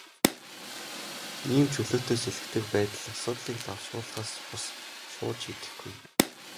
Ийм чөлөөтэй сэлгэдэг байдал асуудлыг лавшруулахаас бус, шууд шийдэхгүй.